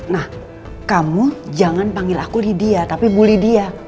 nah kamu jangan panggil aku lydia tapi bu lydia